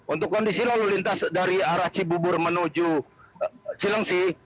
untuk kondisi lalu lintas dari arah cibubur menuju cilengsi